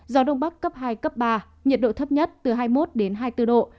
gió đông bắc cấp hai cấp ba nhiệt độ thấp nhất từ hai mươi một hai mươi bốn độ